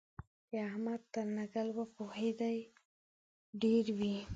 د احمد تر نکل وپوهېدې ډېر وي.